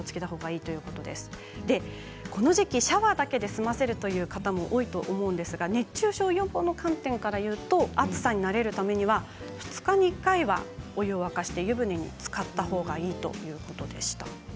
この時期シャワーだけで済ませるという方も多いと思うんですが熱中症予防の観点からいうと暑さに慣れるためには２日に１回は、お湯を沸かして湯船につかったほうがいいということでした。